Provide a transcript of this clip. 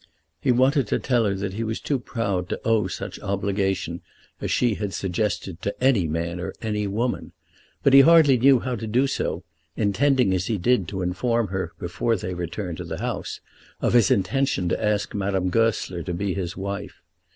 He wanted to tell her that he was too proud to owe such obligation as she had suggested to any man or any woman; but he hardly knew how to do so, intending as he did to inform her before they returned to the house of his intention to ask Madame Goesler to be his wife.